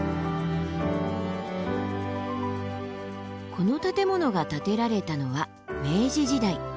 この建物が建てられたのは明治時代。